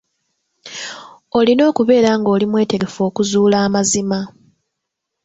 Olina okubeera ng'oli mwetegefu okuzuula amazima.